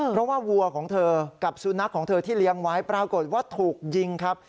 เพราะว่าวัวของเธอกับสุนัขของเธอที่เลี้ยงไว้ปรากฏว่าถูกยิงครับ